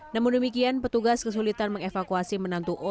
namun demikian petugas kesulitan mengevakuasi menantu o